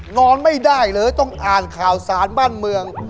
นอนไม่ได้เลยต้องอ่านข่าวสารบ้านเมือง